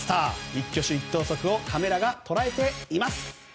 一挙手一投足をカメラが捉えています。